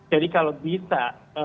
jadi kalau bisa